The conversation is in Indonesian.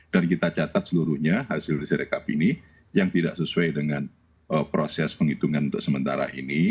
dan kita catat seluruhnya hasil riset sirekap ini yang tidak sesuai dengan proses penghitungan untuk sementara ini